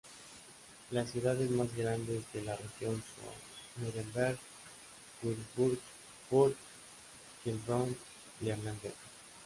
Las ciudades más grandes de la región son Nuremberg, Würzburg, Fürth, Heilbronn y Erlangen.